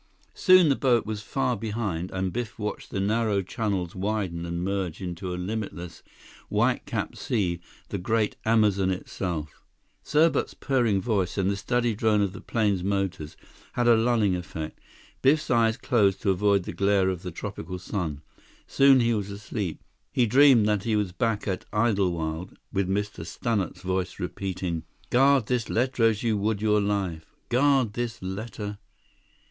Soon the boat was far behind, and Biff watched the narrow channels widen and merge into a limitless, white capped sea—the great Amazon itself. Serbot's purring voice, and the steady drone of the plane's motors had a lulling effect. Biff's eyes closed to avoid the glare of the tropical sun; soon he was asleep. He dreamed that he was back at Idlewild, with Mr. Stannart's voice repeating: "Guard this letter as you would your life! Guard this letter...."